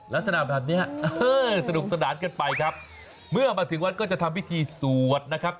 ลักษณะแบบนี้สนุกสนานกันไปครับเมื่อมาถึงวัดก็จะทำพิธีสวดนะครับ